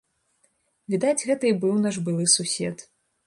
Відаць, гэта і быў наш былы сусед.